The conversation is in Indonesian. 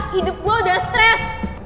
hidup gue udah stres